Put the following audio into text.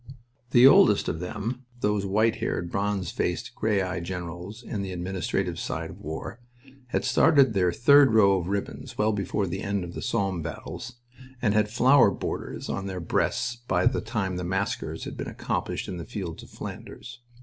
The oldest of them, those white haired, bronze faced, gray eyed generals in the administrative side of war, had started their third row of ribbons well before the end of the Somme battles, and had flower borders on their breasts by the time the massacres had been accomplished in the fields of Flanders.